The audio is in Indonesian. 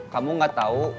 kamu gak tau